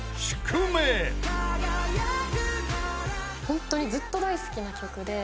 ホントにずっと大好きな曲で。